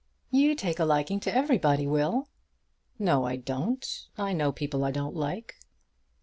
"You take a liking to everybody, Will." "No I don't. I know people I don't like."